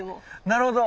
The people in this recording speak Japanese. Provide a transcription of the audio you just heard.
なるほど。